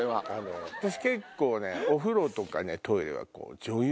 結構ねお風呂とかねトイレは。